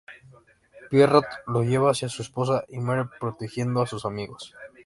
Pierrot lo lleva hacia su esposa, y muere protegiendo a sus amigos.